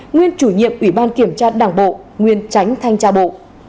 nguyên chủ nhiệm ủy ban kiểm tra đảng bộ nguyên tránh thanh tra bộ